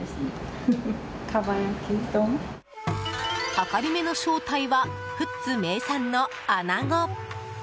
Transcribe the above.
はかりめの正体は富津名産のアナゴ。